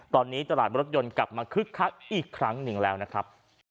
ตอนนี้ตลาดรถยนต์กลับมาคึกคักอีกครั้งหนึ่งแล้วนะครับ